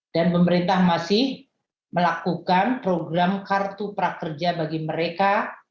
dan pemerintah masih melakukan program kartu prakerja bagi mereka